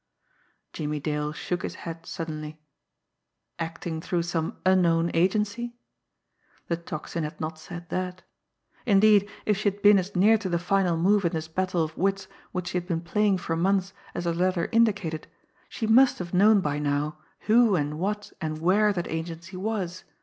Jimmie Dale shook his head suddenly. Acting through some unknown agency? The Tocsin had not said that. Indeed, if she had been as near to the final move in this battle of wits which she had been playing for months, as her letter indicated, she must have known by now who and what and where that agency was.